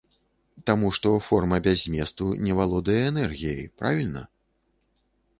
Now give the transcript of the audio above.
Таму што форма без зместу не валодае энергіяй, правільна?